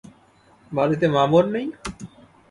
বাড়িতে মা-বোন নেই?